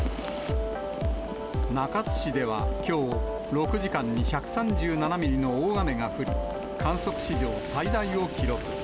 中津市ではきょう、６時間に１３７ミリの大雨が降り、観測史上最大を記録。